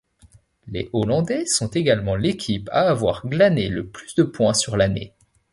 Les Hollandais sont également l'équipe à avoir glâné le plus de point sur l'année.